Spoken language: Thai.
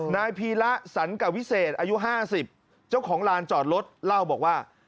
นายพีระสันกวิเศษอายุ๕๐เจ้าของลานจอดรถเล่าบอกว่า